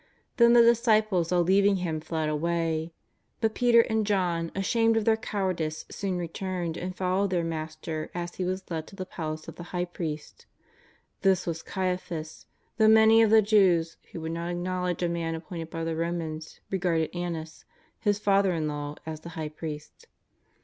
Then the disciples all leaving Him fled away. But Peter and John, ashamed of their cowardice, soon re turned and follow^ed their Master as He was led to the palace of the High priest. This was Caiaphas, though many of the Jews who would not acknowledge a man appointed by the Romans regarded Annas, his father in law, as the High priest.